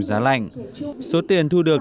giá lạnh số tiền thu được